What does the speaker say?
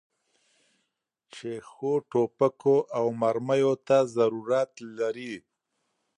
چې ښو توپکو او مرمیو ته ضرورت لري.